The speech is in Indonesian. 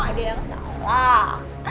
gak ada yang salah